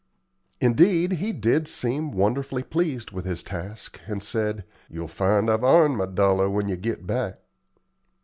Indeed, he did seem wonderfully pleased with his task, and said, "Ye'll find I've 'arned my dollar when ye git back."